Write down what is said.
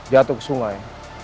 jatuh ke sungai